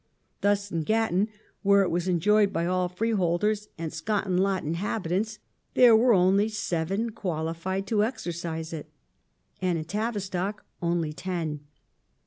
Thus in Gatton, where it was enjoyed by all freeholders and " Scot and Lot " in habitants, there were only seven qualified to exercise it, and in Tavistock only ten.